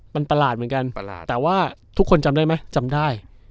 มันประหลาดเหมือนกันประหลาดแต่ว่าทุกคนจำได้ไหมจำได้